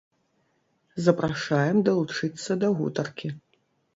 Запрашаем далучыцца да гутаркі.